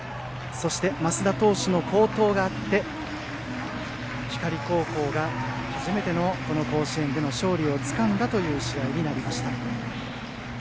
そして、升田投手の好投があって光高校が初めての、この甲子園での勝利をつかんだ試合になりました。